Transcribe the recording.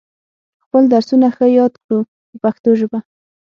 خپل درسونه ښه یاد کړو په پښتو ژبه.